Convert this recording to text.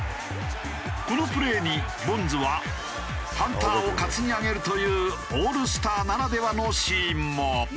このプレーにボンズはハンターを担ぎ上げるというオールスターならではのシーンも。